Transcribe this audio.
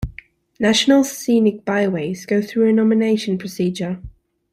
National Scenic Byways go through a nomination procedure.